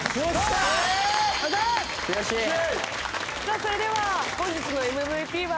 さあそれでは本日のＭＶＰは。